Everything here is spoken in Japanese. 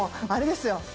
あれですよ